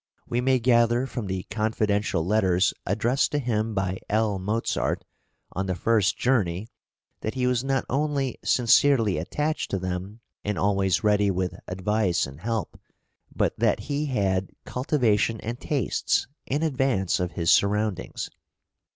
We may gather from the confidential letters addressed to him by L. Mozart on the first journey that he was not only sincerely attached to them and always ready with advice and help, but that he had cultivation and tastes in advance of his surroundings.